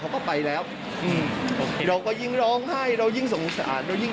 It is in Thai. เขาก็ไปแล้วอืมเราก็ยิ่งร้องไห้เรายิ่งสงสารเรายิ่ง